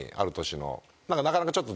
なかなかちょっと。